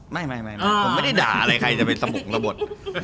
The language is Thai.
ไม่ผมไม่ได้ด่าอะไรใครจะไปสบงระบบ